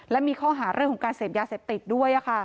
และมีข้อหาเรื่องของการเสพยาเสพติดด้วย